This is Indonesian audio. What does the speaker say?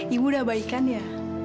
ibu udah baikan ya